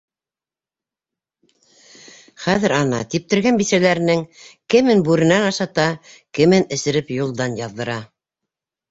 Хәҙер, ана, типтергән бисәләренең кемен бүренән ашата, кемен эсереп юлдан яҙҙыра!